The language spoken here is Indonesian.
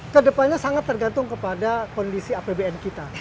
kedepannya sangat tergantung kepada kondisi apbn kita